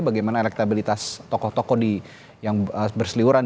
bagaimana elektabilitas toko toko yang berselioran